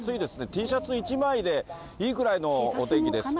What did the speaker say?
Ｔシャツ１枚でいいくらいのお天気です。